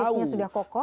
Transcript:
tauhidnya sudah kokoh